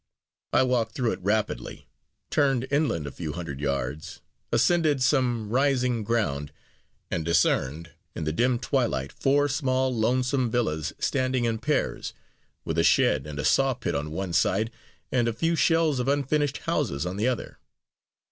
I walked through it rapidly; turned inland a few hundred yards; ascended some rising ground; and discerned, in the dim twilight, four small lonesome villas standing in pairs, with a shed and a saw pit on one side, and a few shells of unfinished houses on the other.